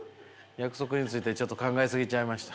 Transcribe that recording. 約束についてちょっと考え過ぎちゃいました。